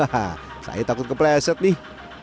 hah saya takut kepleset nih